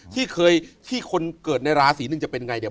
ที่เคยที่คนเกิดในราศีหนึ่งจะเป็นไงเนี่ย